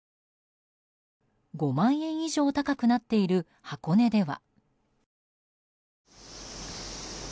５万円以上高くなっている箱根では。